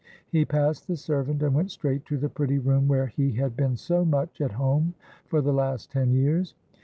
He passed the servant, and went straight to the pretty room where he had been so much at home for the last ten years.